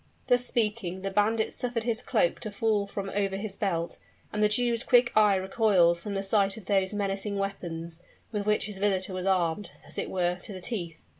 Thus speaking the bandit suffered his cloak to fall from over his belt, and the Jew's quick eye recoiled from the sight of those menacing weapons, with which his visitor was armed, as it were, to the teeth.